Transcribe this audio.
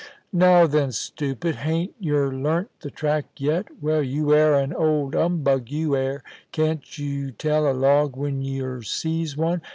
* Now then, stoopid ! Hain't yer learnt the track yet ? Well, you air ai> old 'umbug, you air ! Can't yer tell a log when yer sees one